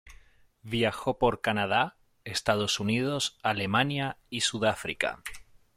Viajó por Canadá, Estados Unidos, Alemania y Sudáfrica.